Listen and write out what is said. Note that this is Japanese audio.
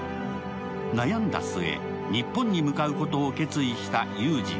悩んだ末、日本に向かうことを決意したユージン。